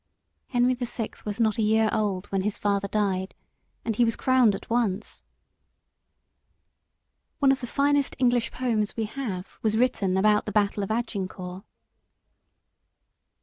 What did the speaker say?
Henry the Sixth was not a year old when his father died, and he was crowned at once. One of the finest English poems we have, was written about the Battle of Agincourt.